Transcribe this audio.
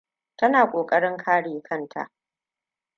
Tana ƙoƙarin kare kanta.